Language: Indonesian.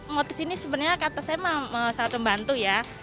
motif ini sebenarnya kata saya sangat membantu ya